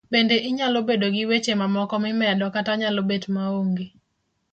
Bende inyalo bedo gi weche mamoko mimedo kata nyalo betma onge